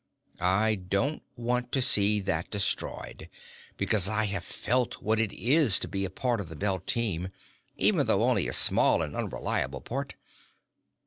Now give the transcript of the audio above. I don't want to see that destroyed, because I have felt what it is to be a part of the Belt team, even though only a small and unreliable part.